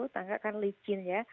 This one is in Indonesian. tangga kan licin ya